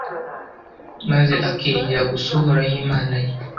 maze akiringira gusa Uhoraho Imana ye